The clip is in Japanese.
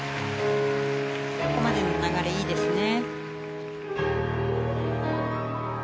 ここまでの流れ、いいですね。